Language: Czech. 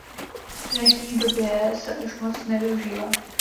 Dnešní době se už moc nevyužívá.